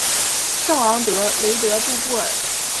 圣昂德雷德杜布尔。